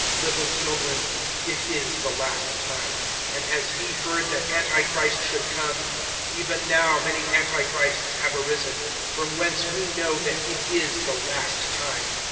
(18)Little children, it is the last time; and as ye heard that antichrist should come, even now many antichrists have arisen; from whence we know that it is the last time.